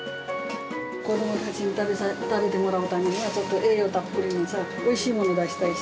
子どもたちに食べてもらうためには、ちょっと栄養たっぷりのおいしいものを出したいし。